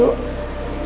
sikap mama cucu